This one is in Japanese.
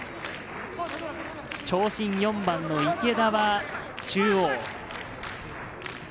長身、４番の池田は中央。